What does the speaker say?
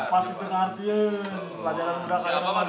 pasti penartian pelajaran muda sangat banget